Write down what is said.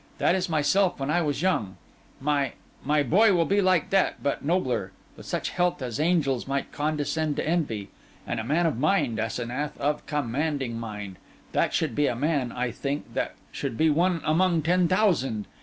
'That is myself when I was young. My—my boy will be like that, like but nobler; with such health as angels might condescend to envy; and a man of mind, Asenath, of commanding mind. That should be a man, I think; that should be one among ten thousand.